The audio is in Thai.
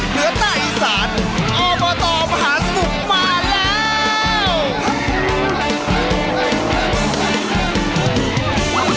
เหนือใต้อีสานออมเบอร์โตมหาสมุกมาแล้ว